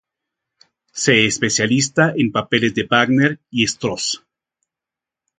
Se especializa en papeles de Wagner y Strauss.